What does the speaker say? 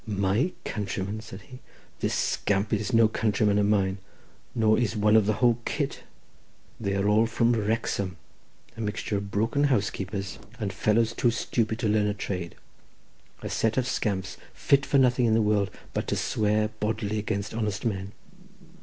"My countrymen?" said he; "this scamp is no countryman of mine; nor is one of the whole kit. They are all from Wrexham, a mixture of broken housekeepers, and fellows too stupid to learn a trade; a set of scamps fit for nothing in the world but to swear bodily against honest men.